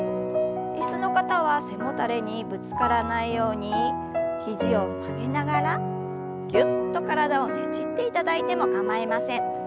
椅子の方は背もたれにぶつからないように肘を曲げながらぎゅっと体をねじっていただいても構いません。